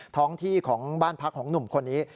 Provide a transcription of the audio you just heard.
ท้องที่ของบ้านพักของหนุ่มคนนี้